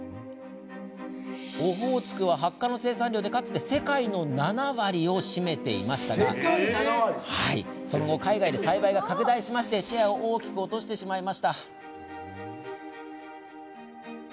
オホーツクは、ハッカの生産量でかつて世界の７割を占めていましたがその後、海外で栽培が拡大しシェアを大きく落としました。